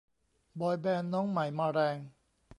บอยแบนด์น้องใหม่มาแรง